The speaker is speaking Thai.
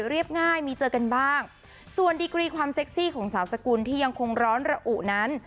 ง่ายมีเจอกันบ้างส่วนดีกรีความเซ็กซี่ของสาวสกุลที่ยังคงร้อนระอุนั้น